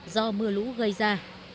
do mưa lũ gây ra